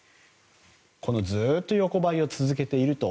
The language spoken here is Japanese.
ずっと横ばいを続けていると。